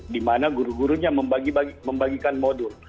di mana guru gurunya membagikan modul